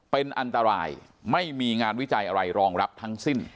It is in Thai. เป็นอันตรายไม่มีงานวิจัยอะไรรองรับทั้งสิ้น